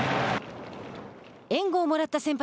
援護をもらった先発